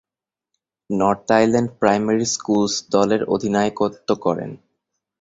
North Island primary schools দলের অধিনায়কত্ব করেন।